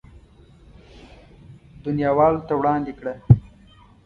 دنياوالو ته وړاندې کړه.